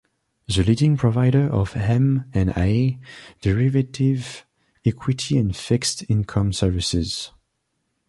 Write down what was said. The leading provider of M and A, derivatives, equity and fixed income services.